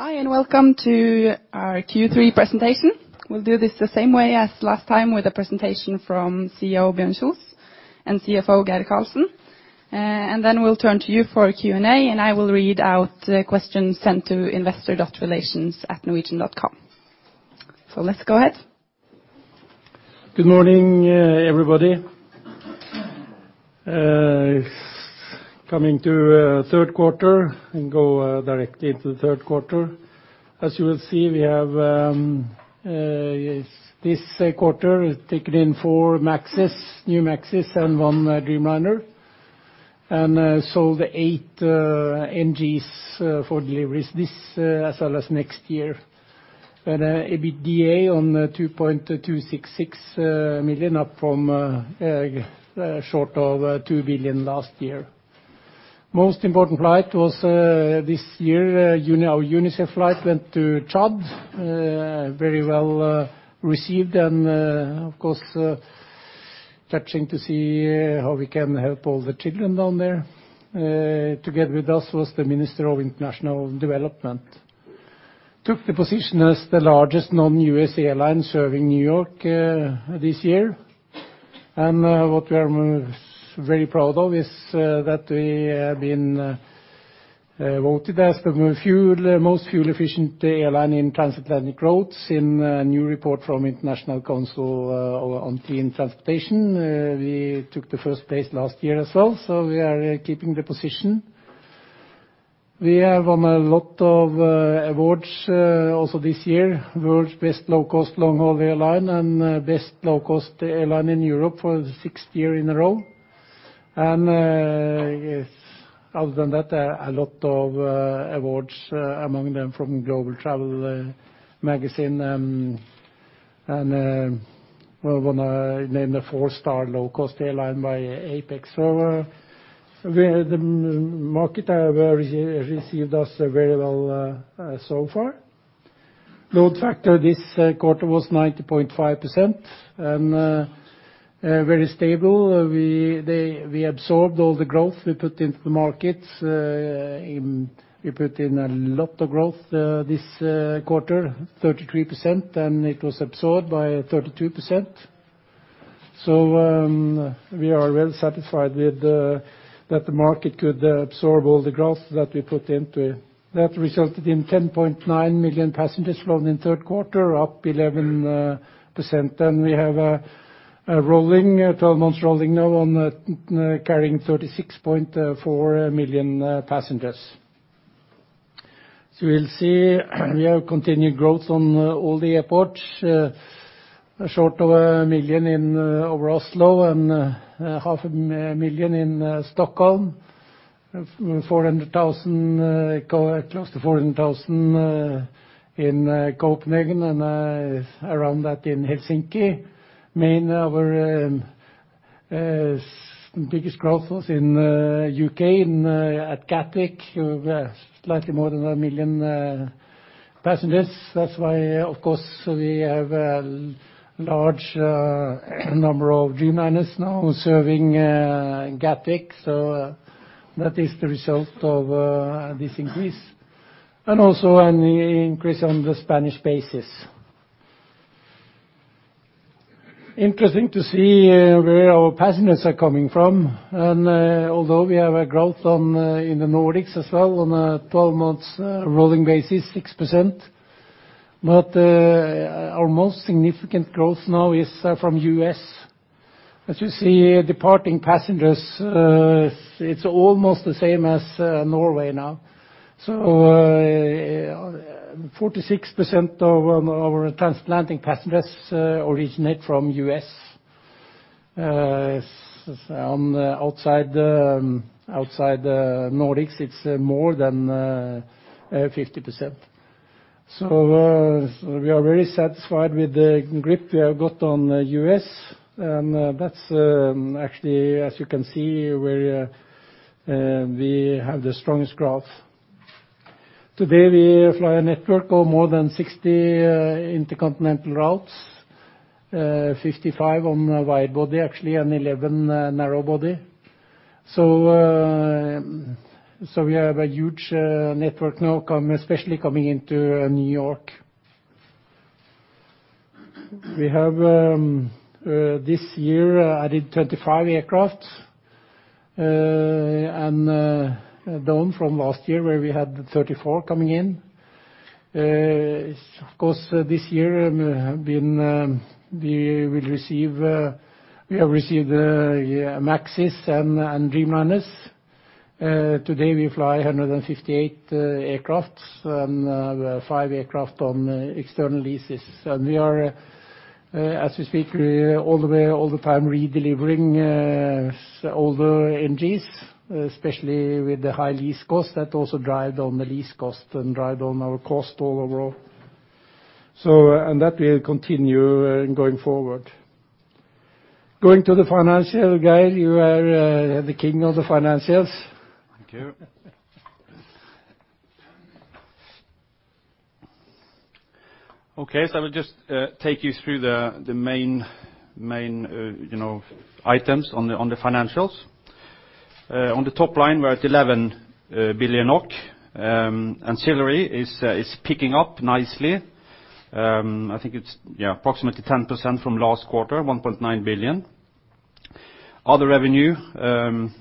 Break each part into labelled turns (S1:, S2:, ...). S1: Hi, welcome to our Q3 presentation. We'll do this the same way as last time, with a presentation from CEO Bjørn Kjos and CFO Geir Karlsen. Then we'll turn to you for a Q&A, I will read out the questions sent to investor.relations@norwegian.com. Let's go ahead.
S2: Good morning, everybody. Coming to third quarter. Go directly into the third quarter. As you will see, we have this quarter taken in 4 new MAXes and one Dreamliner, sold 8 NGs for deliveries this, as well as next year. EBITDA on 2,266 million, up from short of 2 billion last year. Most important flight was this year, our UNICEF flight went to Chad. Very well received, of course, touching to see how we can help all the children down there. Together with us was the Minister of International Development. Took the position as the largest non-U.S. airline serving New York this year. What we are very proud of is that we have been voted as the most fuel-efficient airline in transatlantic routes in a new report from International Council on Clean Transportation. We took the first place last year as well, we are keeping the position. We have won a lot of awards also this year. World's best low-cost long-haul airline and best low-cost airline in Europe for the sixth year in a row. Other than that, a lot of awards, among them from Global Traveler and one named the four-star low-cost airline by APEX. The market received us very well so far. Load factor this quarter was 90.5%, very stable. We absorbed all the growth we put into the markets. We put in a lot of growth this quarter, 33%, it was absorbed by 32%. We are well satisfied that the market could absorb all the growth that we put into it. That resulted in 10.9 million passengers flown in the third quarter, up 11%. We have 12 months rolling now on carrying 36.4 million passengers. We'll see. We have continued growth on all the airports. Short of a million over Oslo and half a million in Stockholm. Close to 400,000 in Copenhagen, around that in Helsinki. Our biggest growth was in the U.K., at Gatwick. We have slightly more than a million passengers. That's why, of course, we have a large number of Dreamliners now serving Gatwick. That is the result of this increase, also an increase on the Spanish bases. Interesting to see where our passengers are coming from. Although we have a growth in the Nordics as well on a 12 months rolling basis, 6%, our most significant growth now is from the U.S. As you see, departing passengers, it's almost the same as Norway now. 46% of our transatlantic passengers originate from the U.S. Outside the Nordics, it's more than 50%. We are very satisfied with the grip we have got on the U.S., and that's actually, as you can see, where we have the strongest growth. Today, we fly a network of more than 60 intercontinental routes. 55 on wide-body, actually, and 11 narrow-body. We have a huge network now, especially coming into New York. We have this year added 25 aircraft, and down from last year where we had 34 coming in. Of course, this year we have received MAXes and Dreamliners. Today we fly 158 aircraft and five aircraft on external leases. We are, as we speak, all the time redelivering older NGs, especially with the high lease cost. That also drive down the lease cost and drive down our cost all overall. That will continue going forward. Going to the financial guy, you are the king of the financials.
S3: Thank you. I will just take you through the main items on the financials. On the top line, we're at 11 billion NOK. Ancillary is picking up nicely. I think it's approximately 10% from last quarter, 1.9 billion. Other revenue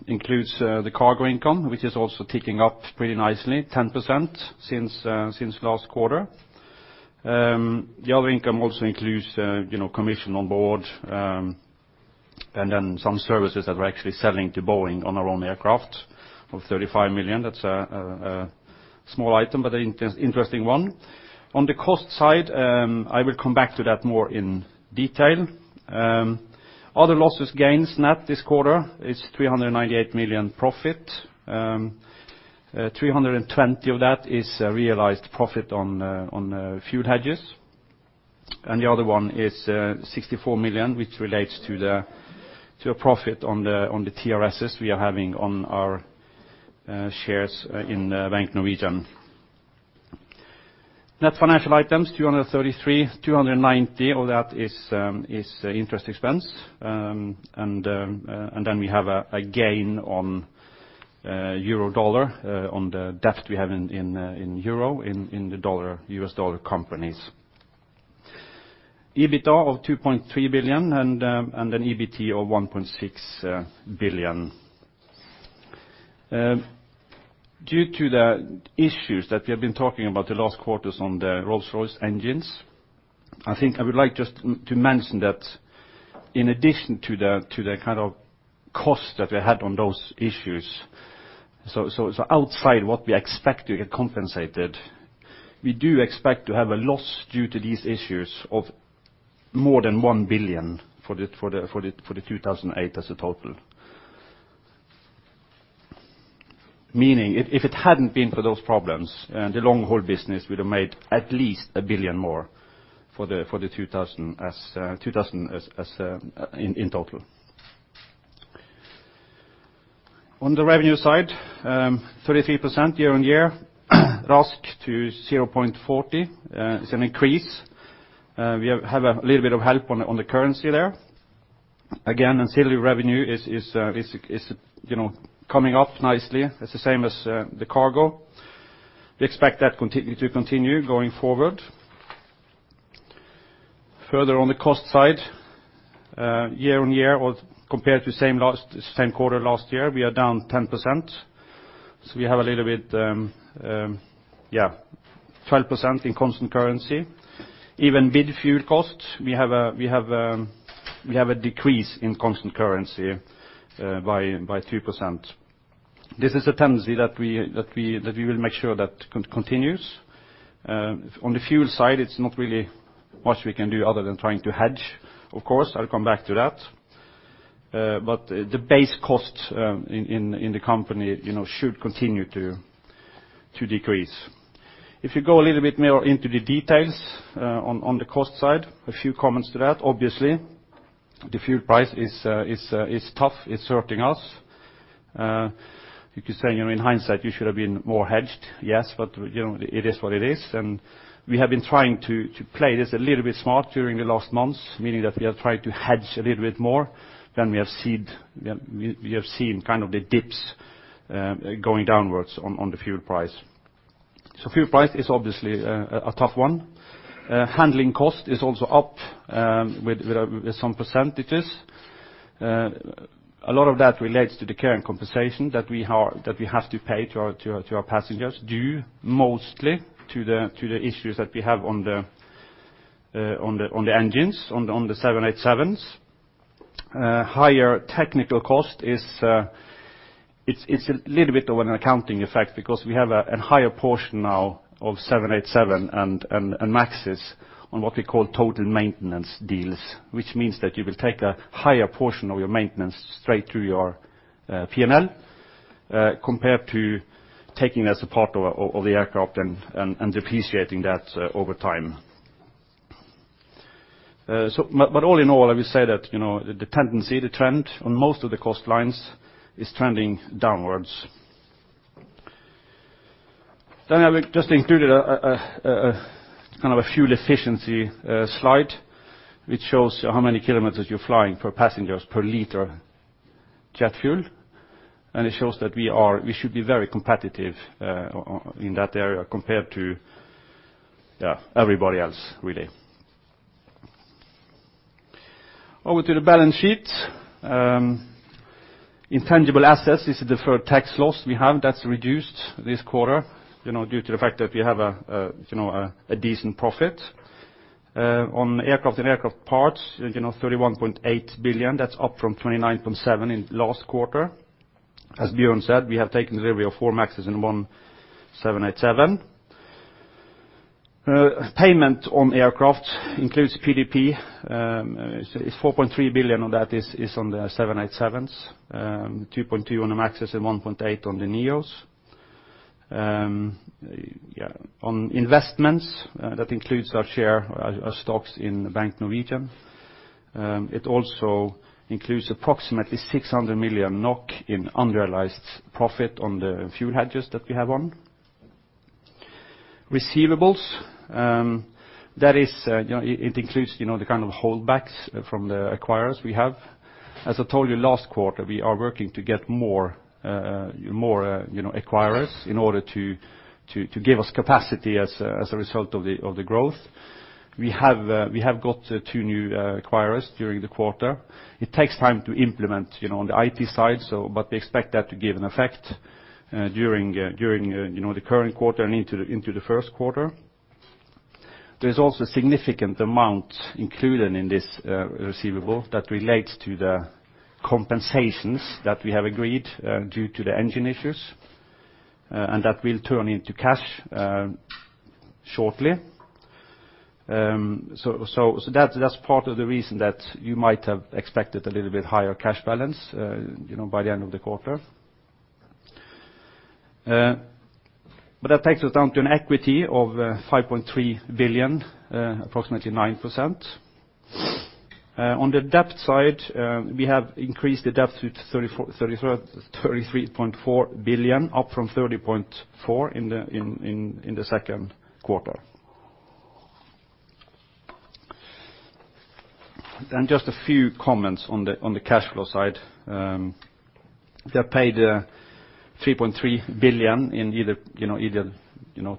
S3: includes the cargo income, which is also ticking up pretty nicely, 10% since last quarter. The other income also includes commission on board and then some services that we're actually selling to Boeing on our own aircraft of 35 million. That's a small item, but an interesting one. On the cost side, I will come back to that more in detail. Other losses, gains, net this quarter is 398 million profit. 320 of that is realized profit on fuel hedges. The other one is 64 million, which relates to a profit on the TRSs we are having on our shares in the Bank Norwegian. Net financial items, 233. 290 of that is interest expense. We have a gain on euro dollar on the debt we have in euro, in the U.S. dollar companies. EBITDA of 2.3 billion and an EBT of 1.6 billion. Due to the issues that we have been talking about the last quarters on the Rolls-Royce engines, I would like just to mention that in addition to the kind of cost that we had on those issues. Outside what we expect to get compensated, we do expect to have a loss due to these issues of more than 1 billion for the 2018 as a total. Meaning if it hadn't been for those problems, the long-haul business would have made at least 1 billion more for the 2018 in total. On the revenue side, 33% year-on-year. RASK to 0.40. It's an increase. We have a little bit of help on the currency there. Again, ancillary revenue is coming up nicely. It's the same as the cargo. We expect that to continue going forward. On the cost side, year-on-year or compared to same quarter last year, we are down 10%. We have a little bit, 12% in constant currency. Even with fuel costs, we have a decrease in constant currency by 2%. This is a tendency that we will make sure that continues. On the fuel side, it's not really much we can do other than trying to hedge. I'll come back to that. The base cost in the company should continue to decrease. If you go a little bit more into the details on the cost side, a few comments to that. The fuel price is tough. It's hurting us. You could say in hindsight, you should have been more hedged. Yes, but it is what it is. We have been trying to play this a little bit smart during the last months, meaning that we have tried to hedge a little bit more than we have seen the dips going downwards on the fuel price. Fuel price is obviously a tough one. Handling cost is also up with some percentages. A lot of that relates to the care and compensation that we have to pay to our passengers due mostly to the issues that we have on the engines, on the 787s. Higher technical cost is a little bit of an accounting effect because we have a higher portion now of 787 and MAXs on what we call total maintenance deals. Which means that you will take a higher portion of your maintenance straight through your P&L compared to taking as a part of the aircraft and depreciating that over time. All in all, I would say that the tendency, the trend on most of the cost lines is trending downwards. I just included a fuel efficiency slide, which shows how many kilometers you're flying per passengers per liter jet fuel. It shows that we should be very competitive in that area compared to everybody else, really. Over to the balance sheet. Intangible assets is the deferred tax loss we have. That's reduced this quarter due to the fact that we have a decent profit. On aircraft and aircraft parts, 31.8 billion. That's up from 29.7 in last quarter. As Bjørn said, we have taken delivery of four MAXs and one 787. Payment on aircraft includes PDP. It's 4.3 billion on that is on the 787s, 2.2 on the MAXs and 1.8 on the NEOs. On investments, that includes our share, our stocks in the Bank Norwegian. It also includes approximately 600 million NOK in unrealized profit on the fuel hedges that we have on. Receivables. It includes the kind of holdbacks from the acquirers we have. As I told you last quarter, we are working to get more acquirers in order to give us capacity as a result of the growth. We have got two new acquirers during the quarter. It takes time to implement on the IT side, we expect that to give an effect during the current quarter and into the first quarter. There's also a significant amount included in this receivable that relates to the compensations that we have agreed due to the engine issues. That will turn into cash shortly. That's part of the reason that you might have expected a little bit higher cash balance by the end of the quarter. That takes us down to an equity of 5.3 billion, approximately 9%. On the debt side, we have increased the debt to 33.4 billion, up from 30.4 billion in the second quarter. Just a few comments on the cash flow side. We have paid 3.3 billion in either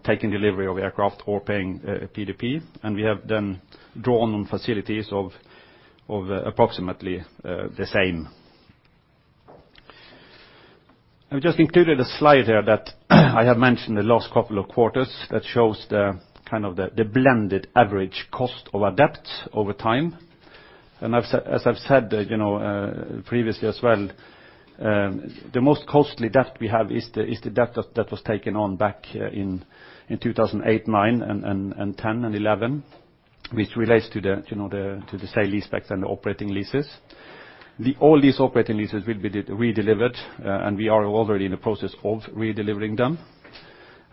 S3: taking delivery of aircraft or paying PDP, and we have then drawn on facilities of approximately the same. I've just included a slide here that I have mentioned the last couple of quarters that shows the blended average cost of our debt over time. As I've said previously as well, the most costly debt we have is the debt that was taken on back in 2008, 2009 and 2010 and 2011, which relates to the sale leasebacks and the operating leases. All these operating leases will be redelivered, and we are already in the process of redelivering them.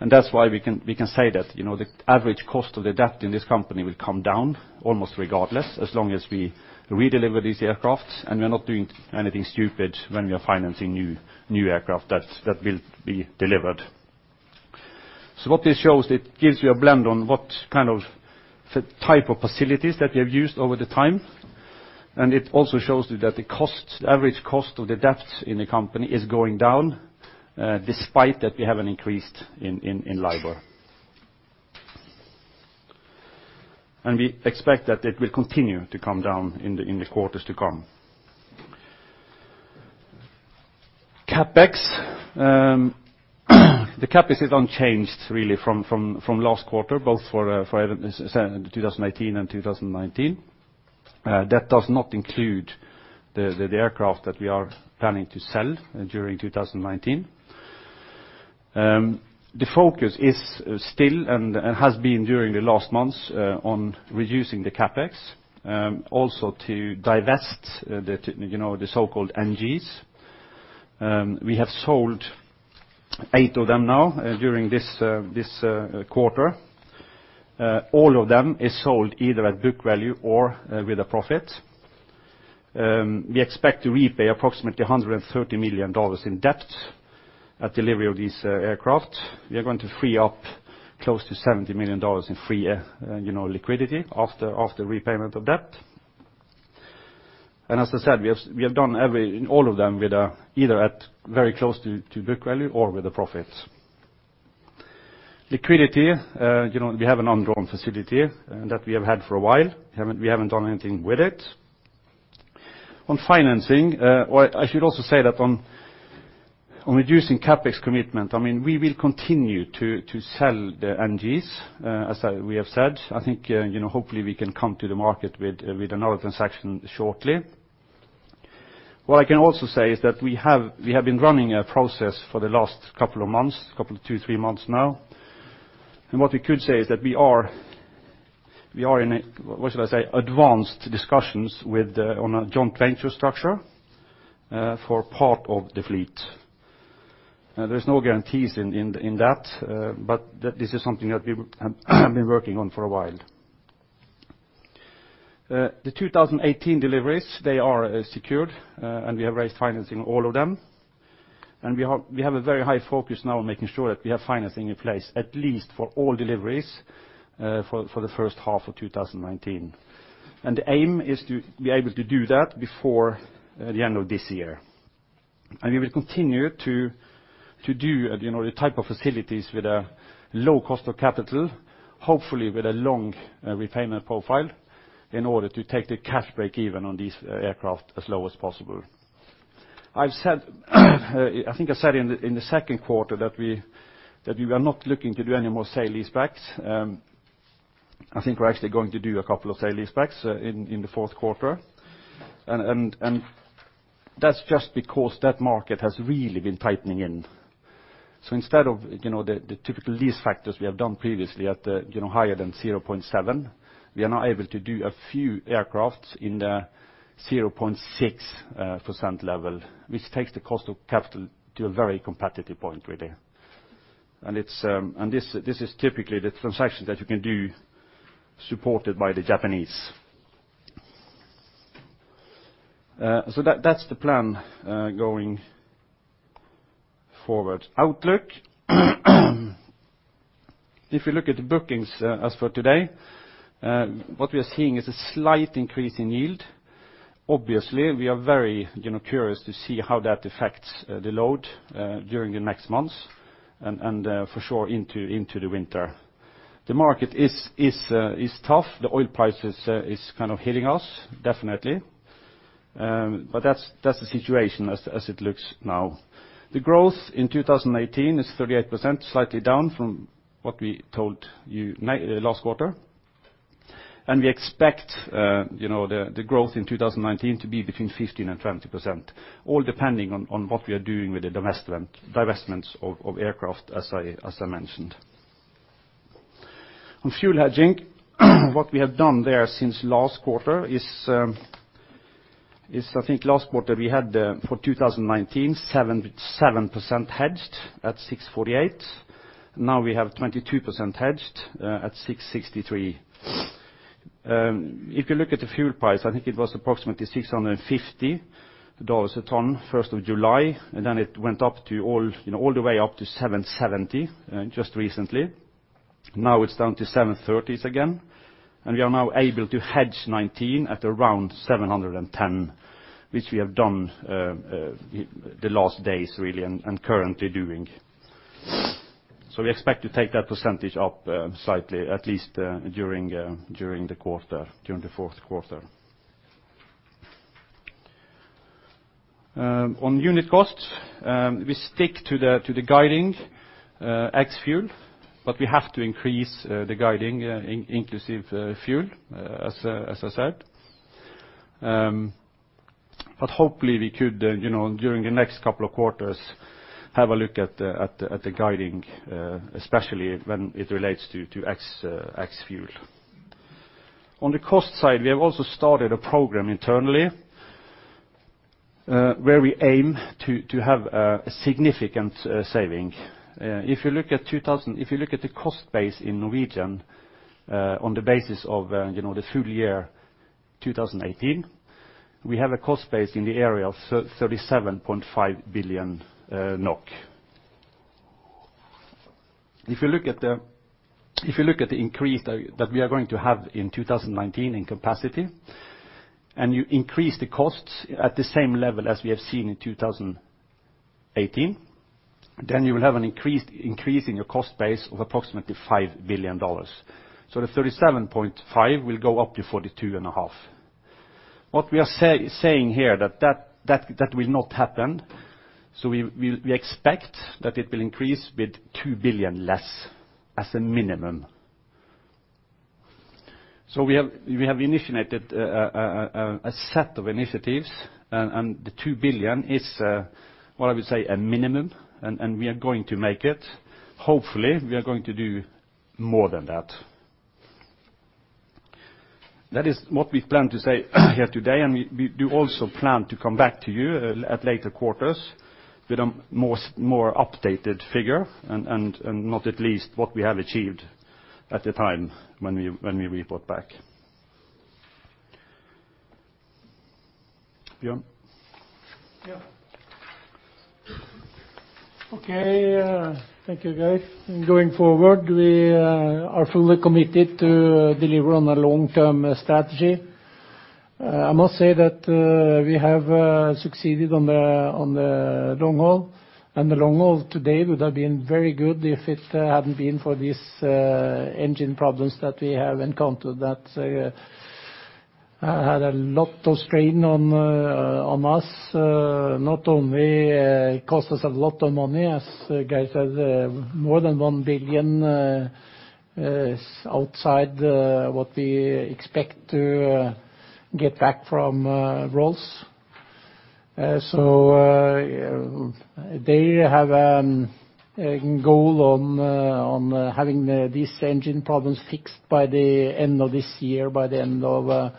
S3: That's why we can say that the average cost of the debt in this company will come down almost regardless, as long as we redeliver these aircraft and we are not doing anything stupid when we are financing new aircraft that will be delivered. What this shows, it gives you a blend on what type of facilities that we have used over the time. It also shows you that the average cost of the debt in the company is going down, despite that we have an increase in LIBOR. We expect that it will continue to come down in the quarters to come. CapEx. The CapEx is unchanged really from last quarter, both for 2018 and 2019. That does not include the aircraft that we are planning to sell during 2019. The focus is still and has been during the last months on reducing the CapEx, also to divest the so-called NGs. We have sold eight of them now during this quarter. All of them is sold either at book value or with a profit. We expect to repay approximately $130 million in debt at delivery of these aircraft. We are going to free up close to $70 million in free liquidity after repayment of debt. As I said, we have done all of them either at very close to book value or with a profit. Liquidity. We have an undrawn facility that we have had for a while. We haven't done anything with it. On financing. I should also say that on reducing CapEx commitment, we will continue to sell the NGs, as we have said. I think hopefully we can come to the market with another transaction shortly. What I can also say is that we have been running a process for the last couple of months, two, three months now. What we could say is that we are in, what should I say, advanced discussions on a joint venture structure for part of the fleet. There's no guarantees in that. This is something that we have been working on for a while. The 2018 deliveries, they are secured. We have raised financing all of them. We have a very high focus now on making sure that we have financing in place, at least for all deliveries for the first half of 2019. The aim is to be able to do that before the end of this year. We will continue to do the type of facilities with a low cost of capital, hopefully with a long repayment profile in order to take the cash break even on these aircraft as low as possible. I think I said in the second quarter that we were not looking to do any more sale leasebacks. I think we're actually going to do a couple of sale leasebacks in the fourth quarter. That's just because that market has really been tightening in. Instead of the typical lease factors we have done previously at higher than 0.7, we are now able to do a few aircraft in the 0.6% level, which takes the cost of capital to a very competitive point, really. This is typically the transaction that you can do supported by the Japanese. That's the plan going forward. Outlook. If you look at the bookings as for today, what we are seeing is a slight increase in yield. Obviously, we are very curious to see how that affects the load during the next months, and for sure into the winter. The market is tough. The oil price is hitting us, definitely. That's the situation as it looks now. The growth in 2018 is 38%, slightly down from what we told you last quarter. We expect the growth in 2019 to be between 15% and 20%, all depending on what we are doing with the divestments of aircraft, as I mentioned. On fuel hedging, what we have done there since last quarter is, I think last quarter we had, for 2019, 7% hedged at 648. Now we have 22% hedged at 663. If you look at the fuel price, I think it was approximately NOK 650 a ton 1st of July. Then it went all the way up to 770 just recently. Now it's down to 730s again. We are now able to hedge 2019 at around 710, which we have done the last days, really, and currently doing. We expect to take that percentage up slightly, at least during the fourth quarter. On unit costs, we stick to the guiding ex-fuel, but we have to increase the guiding inclusive fuel, as I said. Hopefully, we could, during the next couple of quarters, have a look at the guiding, especially when it relates to ex-fuel. On the cost side, we have also started a program internally where we aim to have a significant saving. If you look at the cost base in Norwegian on the basis of the full year 2018, we have a cost base in the area of 37.5 billion NOK. If you look at the increase that we are going to have in 2019 in capacity, and you increase the costs at the same level as we have seen in 2018, you will have an increase in your cost base of approximately NOK 5 billion. So the 37.5 billion will go up to 42.5 billion. What we are saying here, that will not happen. We expect that it will increase with 2 billion less as a minimum. We have initiated a set of initiatives, and the 2 billion is, what I would say, a minimum, and we are going to make it. Hopefully, we are going to do more than that. That is what we plan to say here today, and we do also plan to come back to you at later quarters with a more updated figure, and not at least what we have achieved at the time when we report back. Bjørn?
S2: Okay. Thank you, Geir. Going forward, we are fully committed to deliver on the long-term strategy. I must say that we have succeeded on the long haul, and the long haul today would have been very good if it hadn't been for these engine problems that we have encountered that had a lot of strain on us. Not only it cost us a lot of money, as Geir said, more than 1 billion is outside what we expect to get back from Rolls. They have a goal on having these engine problems fixed by the end of this year, by the end of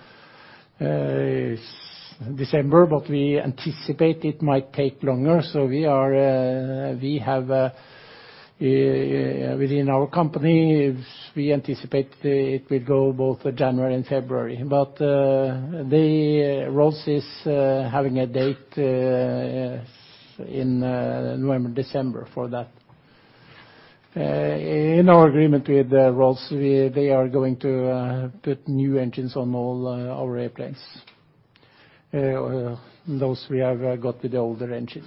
S2: December. We anticipate it might take longer. Within our company, we anticipate it will go both January and February. Rolls is having a date in November, December for that. In our agreement with Rolls, they are going to put new engines on all our airplanes. Those we have got with the older engines.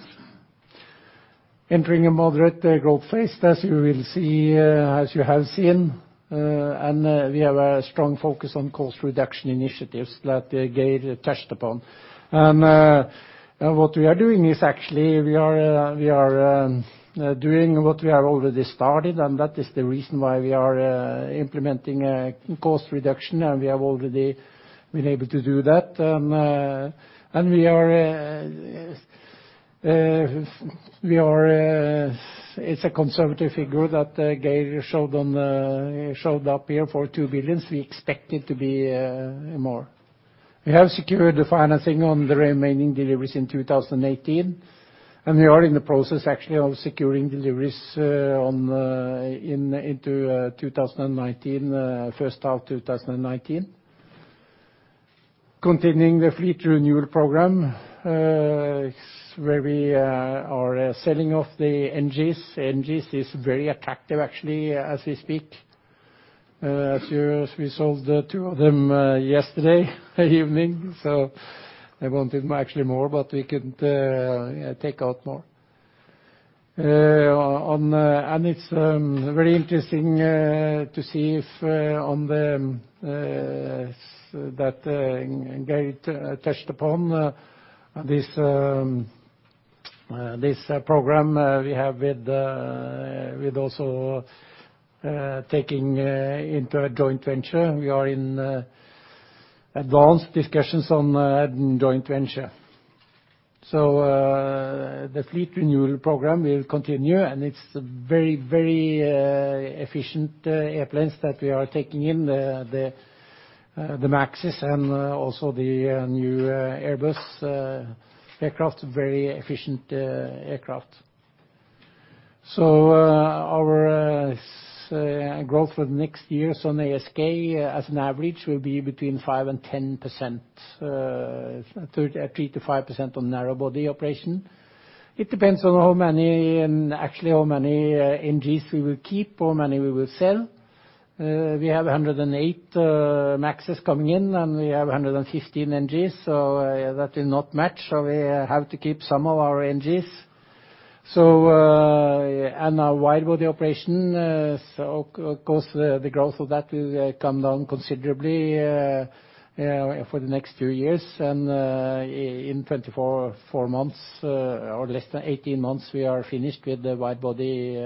S2: Entering a moderate growth phase, as you have seen, and we have a strong focus on cost reduction initiatives that Geir touched upon. What we are doing is actually, we are doing what we have already started, and that is the reason why we are implementing a cost reduction, and we have already been able to do that. It's a conservative figure that Geir showed up here for 2 billion. We expect it to be more. We have secured the financing on the remaining deliveries in 2018, and we are in the process actually of securing deliveries into first half 2019. Continuing the fleet renewal program, where we are selling off the NG. NG is very attractive actually as we speak. As we sold two of them yesterday evening, so they wanted actually more, but we couldn't take out more. It's very interesting to see if that Geir touched upon this program we have with also taking into a joint venture. We are in advanced discussions on a joint venture. The fleet renewal program will continue and it's very efficient airplanes that we are taking in, the MAXs and also the new Airbus aircraft, very efficient aircraft. Our growth for the next years on ASK as an average will be between 5%-10%, 3%-5% on narrow body operation. It depends on actually how many NG we will keep, how many we will sell. We have 108 MAX coming in and we have 115 NG, so that will not match. We have to keep some of our NG. Our wide-body operation, so of course the growth of that will come down considerably, for the next two years and in 24 months or less than 18 months we are finished with the wide-body.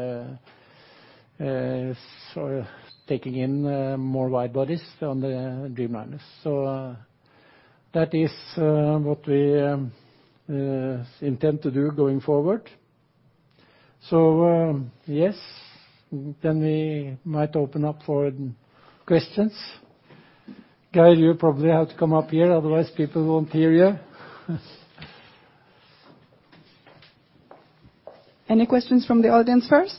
S2: Taking in more wide-bodies on the Dreamliners. That is what we intend to do going forward. Yes. We might open up for questions. Geir, you probably have to come up here, otherwise people won't hear you.
S1: Any questions from the audience first?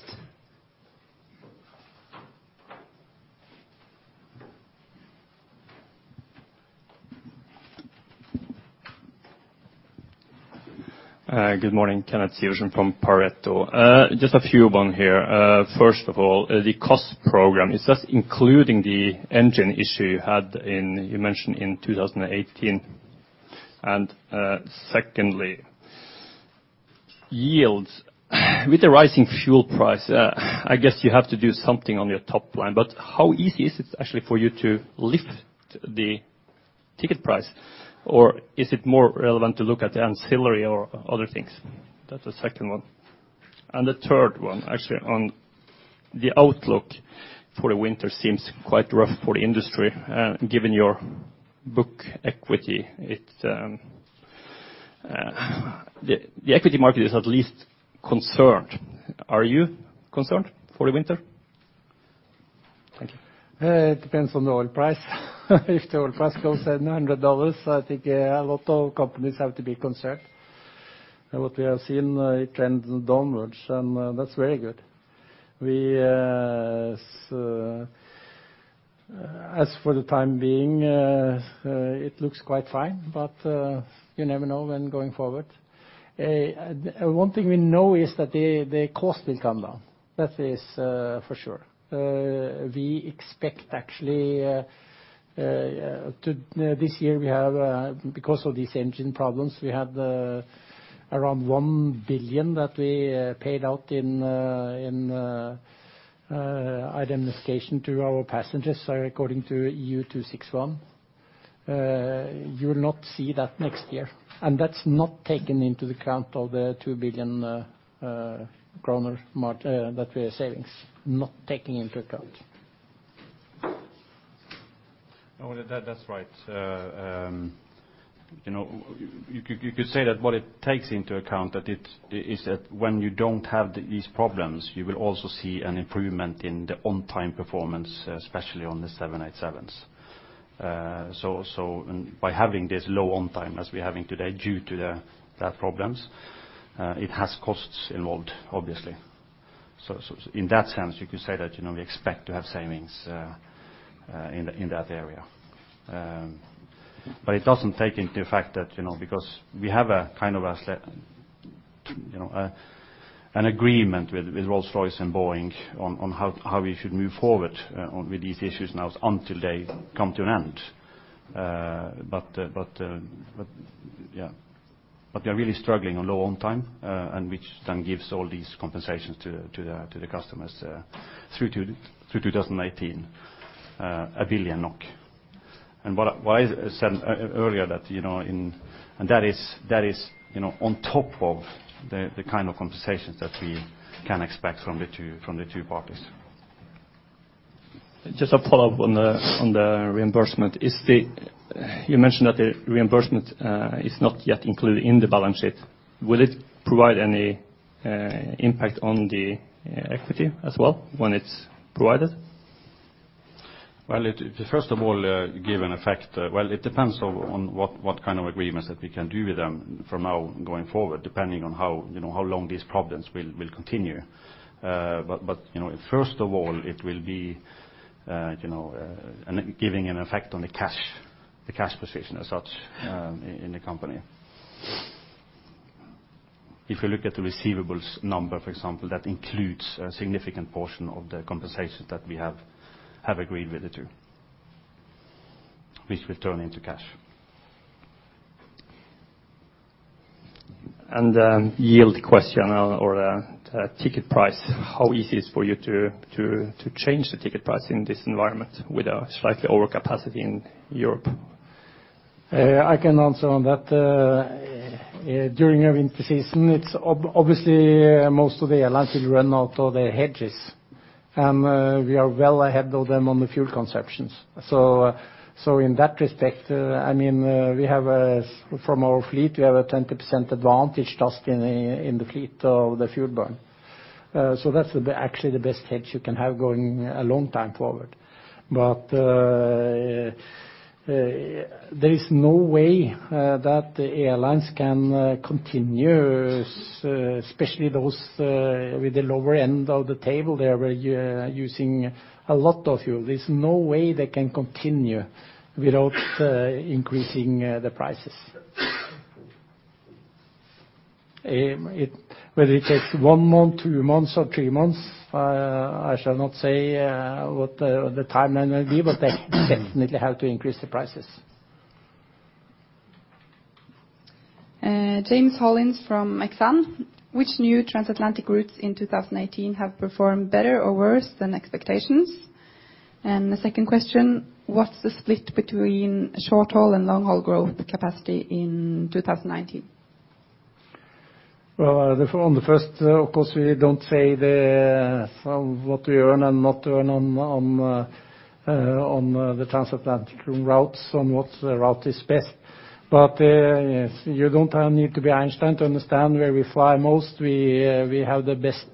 S4: Hi, good morning. Kenneth Sjøholt from Pareto. Just a few of them here. First of all, the cost program, is that including the engine issue you had in, you mentioned in 2018? Secondly, yields. With the rising fuel price, I guess you have to do something on your top line, but how easy is it actually for you to lift the ticket price? Is it more relevant to look at the ancillary or other things? That's the second one. The third one actually on the outlook for the winter seems quite rough for the industry, given your book equity. The equity market is at least concerned. Are you concerned for the winter? Thank you.
S2: It depends on the oil price. If the oil price goes at $100, I think a lot of companies have to be concerned. What we have seen it trends downwards and that's very good. As for the time being, it looks quite fine, but you never know when going forward. One thing we know is that the cost will come down. That is for sure. We expect actually, this year we have, because of these engine problems, we have around 1 billion that we paid out in indemnification to our passengers according to EU 261. You will not see that next year. That's not taken into the count of the 2 billion kroner that we are saving. Not taking into account.
S3: That's right. You could say that what it takes into account is that when you don't have these problems, you will also see an improvement in the on-time performance, especially on the 787s. By having this low on time as we're having today due to the problems, it has costs involved obviously. In that sense, you could say that we expect to have savings in that area. It doesn't take into effect that because we have a kind of an agreement with Rolls-Royce and Boeing on how we should move forward with these issues now until they come to an end. We are really struggling on low on time, and which then gives all these compensations to the customers through 2019, 1 billion NOK. What I said earlier that, and that is on top of the kind of compensations that we can expect from the two parties.
S4: Just a follow-up on the reimbursement. You mentioned that the reimbursement is not yet included in the balance sheet. Will it provide any- -impact on the equity as well when it's provided?
S3: Well, it first of all give an effect. It depends on what kind of agreements that we can do with them from now going forward, depending on how long these problems will continue. First of all, it will be giving an effect on the cash position as such in the company. If you look at the receivables number, for example, that includes a significant portion of the compensation that we have agreed with the two, which will turn into cash.
S1: Yield question or ticket price, how easy is for you to change the ticket price in this environment with a slightly over capacity in Europe?
S2: I can answer on that. During a winter season, it's obviously most of the airlines will run out of their hedges. We are well ahead of them on the fuel consumptions. In that respect, from our fleet, we have a 20% advantage just in the fleet of the fuel burn. That's actually the best hedge you can have going a long time forward. There is no way that the airlines can continue, especially those with the lower end of the table. They are using a lot of fuel. There's no way they can continue without increasing the prices. Whether it takes one month, two months, or three months, I shall not say what the timeline will be, but they definitely have to increase the prices.
S1: James Hollins from Exane. Which new transatlantic routes in 2018 have performed better or worse than expectations? The second question, what's the split between short-haul and long-haul growth capacity in 2019?
S2: Well, on the first, of course, we don't say what we earn and not earn on the transatlantic routes, on what route is best. You don't need to be Einstein to understand where we fly most, we have the best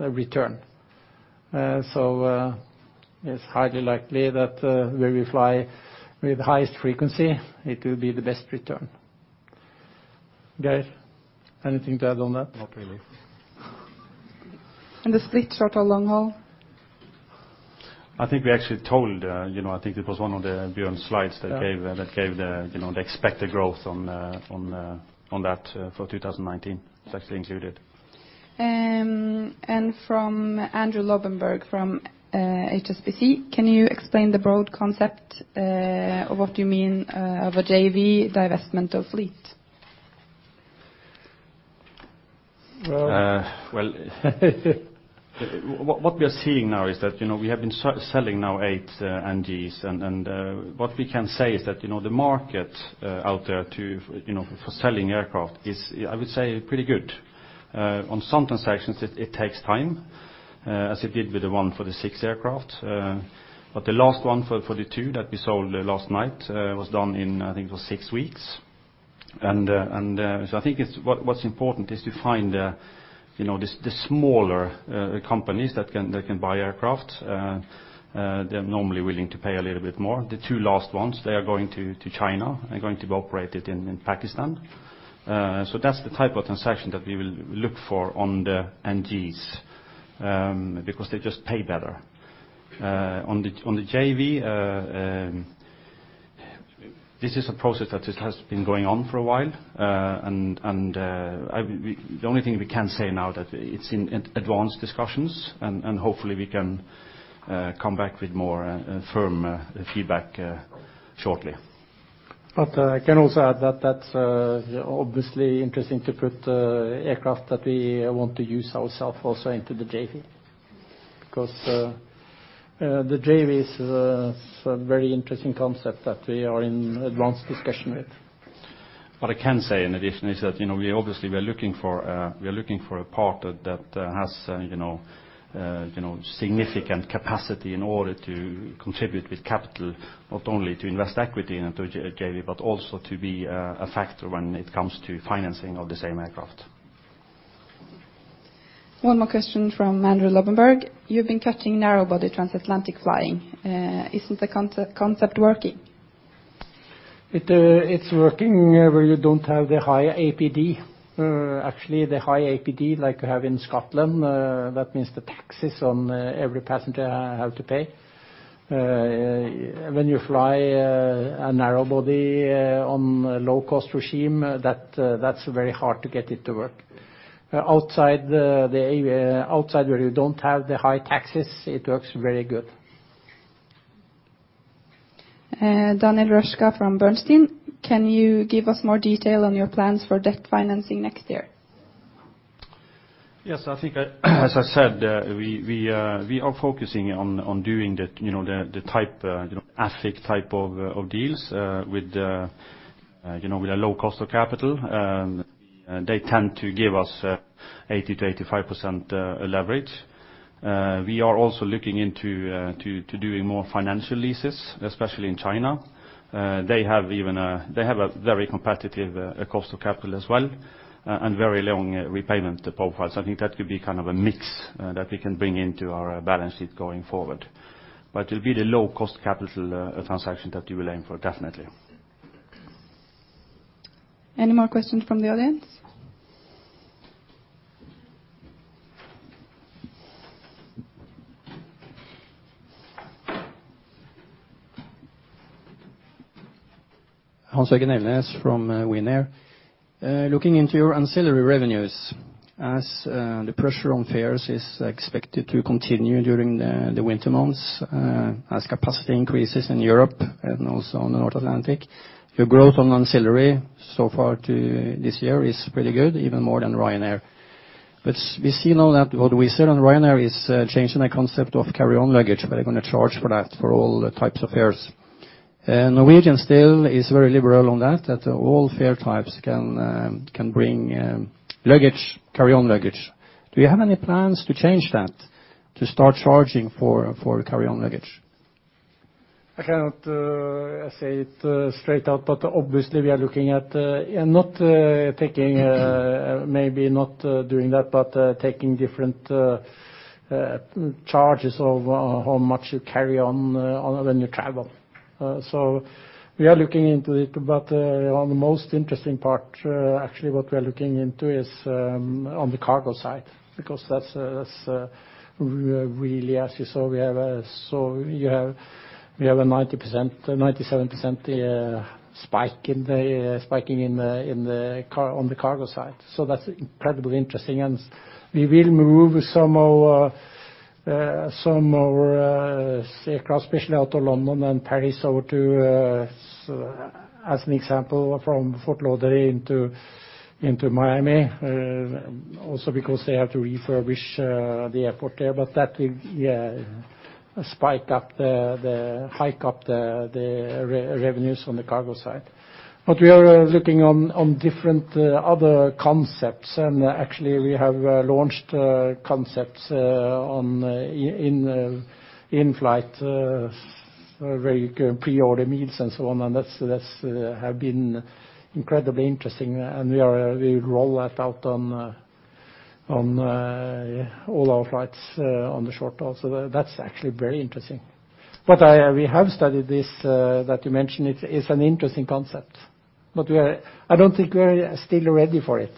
S2: return. It's highly likely that where we fly with highest frequency, it will be the best return. Geir, anything to add on that?
S3: Not really.
S1: The split short- or long-haul?
S3: I think we actually told. I think it was one of Bjørn's slides that gave the expected growth on that for 2019. It's actually included.
S1: From Andrew Lobbenberg from HSBC. Can you explain the broad concept of what you mean of a JV divestment of fleet?
S2: Well.
S3: What we are seeing now is that we have been selling now eight NG's. What we can say is that the market out there for selling aircraft is, I would say, pretty good. On some transactions it takes time, as it did with the one for the six aircraft. The last one for the two that we sold last night was done in, I think it was six weeks. I think what's important is to find the smaller companies that can buy aircraft. They're normally willing to pay a little bit more. The two last ones, they are going to China and going to be operated in Pakistan. That's the type of transaction that we will look for on the NG's because they just pay better. On the JV, this is a process that just has been going on for a while. The only thing we can say now that it's in advanced discussions and hopefully we can come back with more firm feedback shortly.
S2: I can also add that's obviously interesting to put aircraft that we want to use ourself also into the JV. The JV is a very interesting concept that we are in advanced discussion with.
S3: What I can say in addition is that obviously we are looking for a partner that has significant capacity in order to contribute with capital, not only to invest equity into a JV, but also to be a factor when it comes to financing of the same aircraft.
S1: One more question from Andrew Lobbenberg. You've been cutting narrow-body transatlantic flying. Isn't the concept working?
S2: It's working where you don't have the high APD. Actually, the high APD like you have in Scotland, that means the taxes on every passenger have to pay. When you fly a narrow body on a low-cost regime, that's very hard to get it to work. Outside where you don't have the high taxes, it works very good.
S1: Daniel Röska from Bernstein. Can you give us more detail on your plans for debt financing next year?
S3: Yes. I think as I said, we are focusing on doing the asset type of deals with a low cost of capital. They tend to give us 80%-85% leverage. We are also looking into doing more financial leases, especially in China. They have a very competitive cost of capital as well, and very long repayment profiles. I think that could be a mix that we can bring into our balance sheet going forward. It will be the low-cost capital transaction that we will aim for, definitely.
S2: Any more questions from the audience?
S5: Hans-Egil Nevnas from Widerøe. Looking into your ancillary revenues, as the pressure on fares is expected to continue during the winter months as capacity increases in Europe and also on the North Atlantic. Your growth on ancillary so far to this year is really good, even more than Ryanair. We see now that what we see on Ryanair is changing the concept of carry-on luggage. They're going to charge for that for all types of fares. Norwegian still is very liberal on that all fare types can bring carry-on luggage. Do you have any plans to change that, to start charging for carry-on luggage?
S2: I cannot say it straight out. Obviously we are looking at not doing that, but taking different charges of how much you carry on when you travel. We are looking into it. On the most interesting part, actually, what we are looking into is on the cargo side, because that's really, as you saw, we have a 97% spike on the cargo side. That's incredibly interesting, and we will move some of our aircraft, especially out of London and Paris as an example, from Fort Lauderdale into Miami. Because they have to refurbish the airport there. That will hike up the revenues on the cargo side. We are looking on different other concepts, and actually we have launched concepts on in-flight pre-order meals and so on, and that have been incredibly interesting. We'll roll that out on all our flights on the short haul. That's actually very interesting. We have studied this, that you mentioned. It's an interesting concept. I don't think we're still ready for it.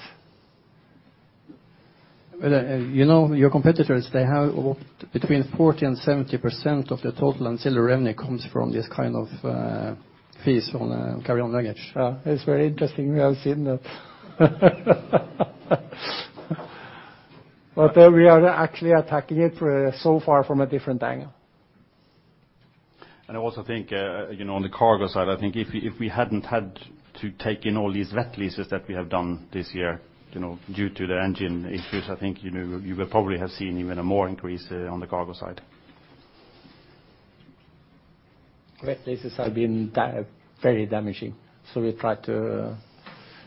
S5: Your competitors, they have between 40%-70% of the total ancillary revenue comes from this kind of fees on a carry-on luggage.
S2: It's very interesting. We have seen that. We are actually attacking it so far from a different angle.
S3: I also think on the cargo side, I think if we hadn't had to take in all these wet leases that we have done this year due to the engine issues, I think you will probably have seen even a more increase on the cargo side.
S2: Wet leases have been very damaging. We try to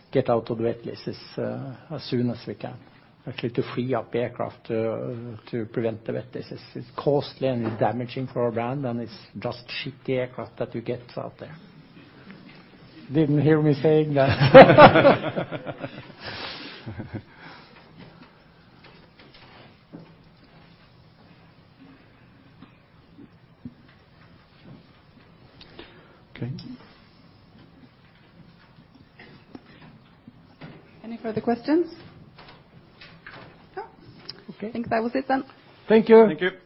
S2: get out of wet leases as soon as we can. Actually, to free up aircraft to prevent the wet leases. It's costly and it's damaging for our brand, and it's just shitty aircraft that you get out there. Didn't hear me saying that. Okay. Any further questions? No. Okay. I think that was it. Thank you.
S3: Thank you.